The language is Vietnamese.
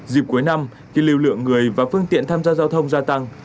dịp cuối năm khi lưu lượng người và phương tiện tham gia giao thông gia tăng